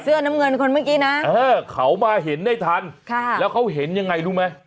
น้ำเงินคนเมื่อกี้นะเออเขามาเห็นได้ทันค่ะแล้วเขาเห็นยังไงรู้ไหม